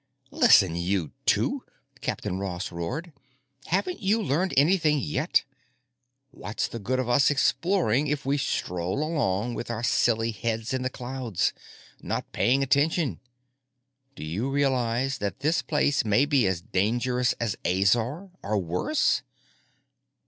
"Listen, you two!" Captain Ross roared. "Haven't you learned anything yet? What's the good of us exploring if we stroll along with our silly heads in the clouds, not paying attention? Do you realize that this place may be as dangerous as Azor or worse?"